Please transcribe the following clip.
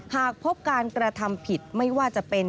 หากพบการกระทำผิดไม่ว่าจะเป็น